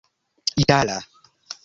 itala